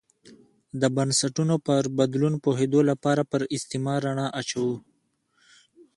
د بنسټونو پر بدلون پوهېدو لپاره پر استعمار رڼا اچوو.